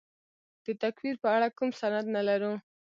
د تکفیر په اړه کوم سند نه لرو.